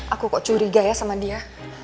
aku kok curiga ya sama dia